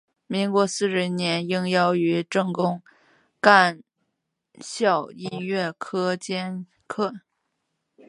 民国四十一年应邀于政工干校音乐科兼课。